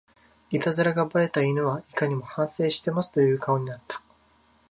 イタズラがバレた犬はいかにも反省してますという顔になった